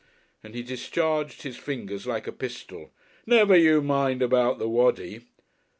And he discharged his fingers like a pistol. "Never you mind about the 'Waddy.'"